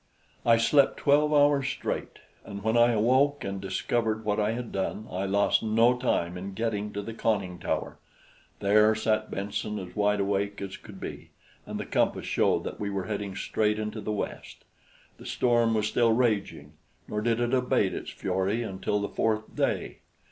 I slept twelve hours straight, and when I awoke and discovered what I had done, I lost no time in getting to the conning tower. There sat Benson as wide awake as could be, and the compass showed that we were heading straight into the west. The storm was still raging; nor did it abate its fury until the fourth day.